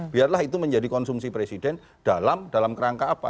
biarlah itu menjadi konsumsi presiden dalam kerangka apa